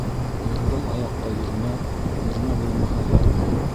Йөрөгән аяҡҡа йүрмә, йүрмә булмаһа, ярма.